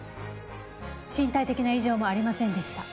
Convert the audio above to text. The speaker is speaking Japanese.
身体的な異常もありませんでした。